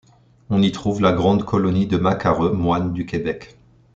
On y trouve la grande colonie de Macareux moines du Québec.